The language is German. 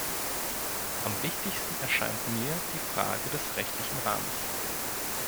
Am wichtigsten erscheint mir die Frage des rechtlichen Rahmens.